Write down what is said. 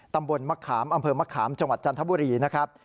ตำบลมะขามอำเภอมะขามจังหวัดจันทบุรีนะครับ